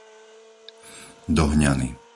Dohňany